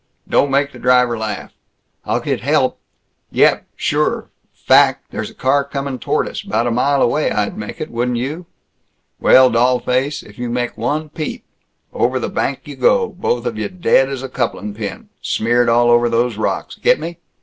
Don't make the driver laugh!" "I'll get help!" "Yep. Sure. Fact, there's a car comin' toward us. 'Bout a mile away I'd make it, wouldn't you? Well, dollface, if you make one peep over the bank you go, both of you dead as a couplin' pin. Smeared all over those rocks. Get me?